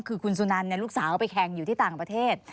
คือคุณสุนันลูกสาวไปแข่งอยู่ที่ต่างประเทศ